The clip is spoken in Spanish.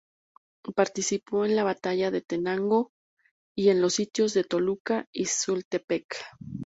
Participó en la batalla de Tenango, y en los sitios de Toluca y Sultepec.